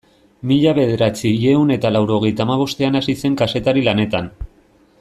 Mila bederatziehun eta laurogeita hamabostean hasi zen kazetari lanetan.